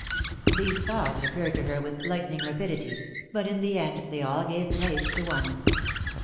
These thoughts occurred to her with lightning rapidity; but in the end they all gave place to one.